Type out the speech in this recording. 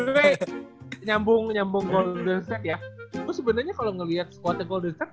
sebenernya kalo ngeliat squad nya golden set